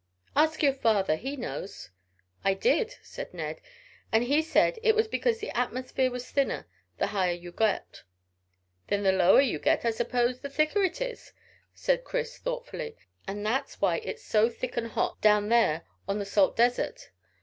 "Ask your father, he knows." "I did," said Ned, "and he said it was because the atmosphere was thinner, the higher you get." "Then the lower you get I suppose the thicker it is," said Chris thoughtfully, "and that's why it's so thick and hot down there on the salt desert.